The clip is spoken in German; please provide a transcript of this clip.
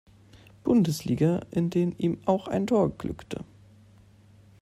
Bundesliga, in denen ihm auch ein Tor glückte.